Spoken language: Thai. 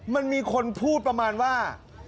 มันมีคนพูดประมาณว่า